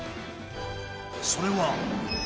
それは。